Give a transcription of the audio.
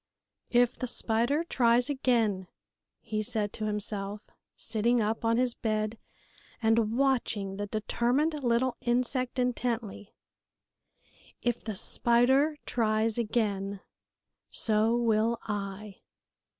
"If the spider tries again," he said to himself, sitting up on his bed and watching the determined little insect intently, "if the spider tries again, so will I!"